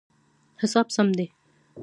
حساب سم دی